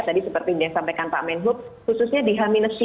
tadi seperti yang disampaikan pak menhub khususnya di h tiga